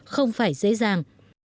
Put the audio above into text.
không phải dễ dàng